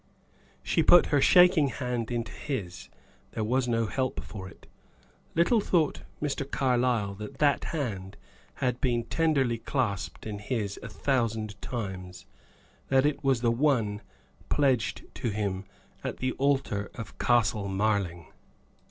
She put her shaking hand into his; there was no help for it. Little thought Mr. Carlyle that that hand had been tenderly clasped in his a thousand times that it was the one pledged to him at the altar of Castle Marling.